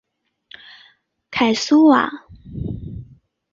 凯苏瓦。